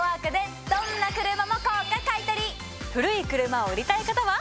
古い車を売りたい方は。